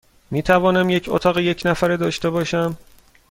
می توانم یک اتاق یک نفره داشته باشم؟